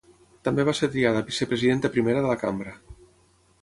També va ser triada vicepresidenta primera de la cambra.